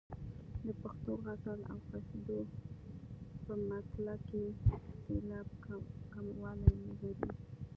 د پښتو غزل او قصیدو په مطلع کې سېلاب کموالی نه لري.